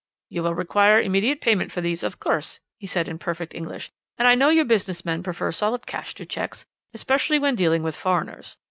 "'You will require immediate payment for these, of course,' he said in perfect English, 'and I know you business men prefer solid cash to cheques, especially when dealing with foreigners.